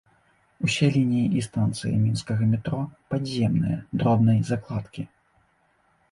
Усе лініі і станцыі мінскага метро падземныя, дробнай закладкі.